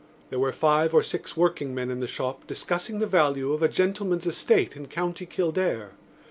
There were five or six workingmen in the shop discussing the value of a gentleman's estate in County Kildare.